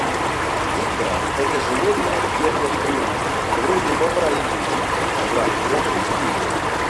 Дыбра – это животное в дебрях тундры, вроде бобра и выдры, враг кобры и пудры.